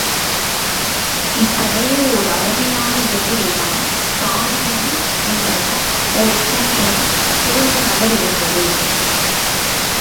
இத்தகைய ஓர் அருமையான இடத்திலேதான் ஸ்டாரியும் என்ற ஒரு குன்றம் சூழ்ந்த நகர் இருந்தது.